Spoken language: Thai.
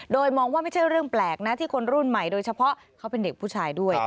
โดยมองว่าไม่ใช่เรื่องแปลกนะที่คนรุ่นใหม่โดยเฉพาะเขาเป็นเด็กผู้ชายด้วย